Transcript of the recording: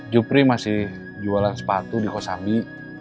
jupri masih jualan sepatu di kosambi